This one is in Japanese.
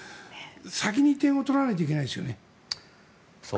先に点を取らないといけないですよね。